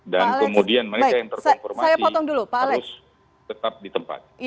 dan kemudian mereka yang terkonformasi harus tetap di tempat